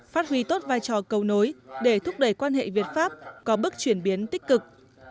phát huy tốt vai trò cầu nối để thúc đẩy quan hệ việt pháp có bước chuyển biến tích cực